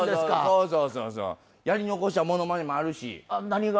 やり残したものまねもあるし。